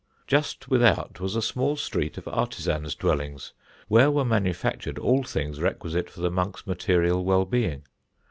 Just without was a small street of artisans' dwellings, where were manufactured all things requisite for the monks' material well being.